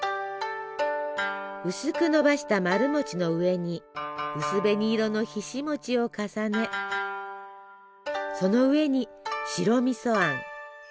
薄くのばした丸餅の上に薄紅色のひし餅を重ねその上に白みそあん。